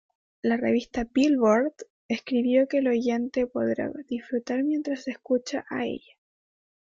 La revista "Billboard" escribió que el oyente podrá disfrutar mientras se escucha a ella.